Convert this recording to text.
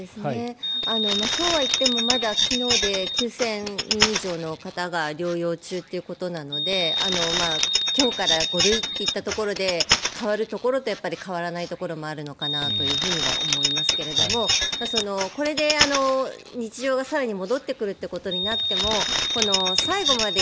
そうはいってもまだ昨日で９０００人以上の方が療養中ということなので今日から５類といったところで変わるところと変わらないところもあるのかなとは思いますけれどもこれで日常が更に戻ってくるということになっても最後まで、